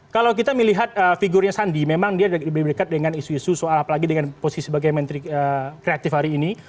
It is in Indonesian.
kalau kita melihat figurnya sandi memang dia lebih dekat dengan isu isu soal apalagi dengan posisi sebagai menteri kreatif hari ini